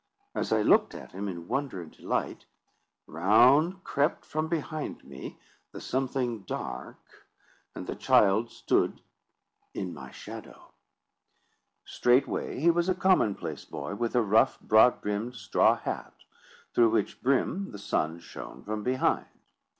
As I looked at him in wonder and delight, round crept from behind me the something dark, and the child stood in my shadow. Straightway he was a commonplace boy, with a rough broad brimmed straw hat, through which brim the sun shone from behind.